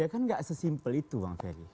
ya kan nggak sesimpel itu bang ferry